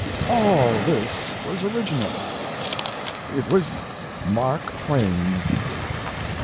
All this was original; it was Mark Twain."